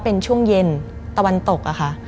เป็นช่วงเย็นตะวันตกอะค่ะ